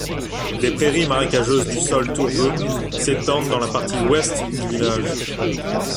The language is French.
Des prairies marécageuses sur sol tourbeux s'étendent dans la partie ouest du village.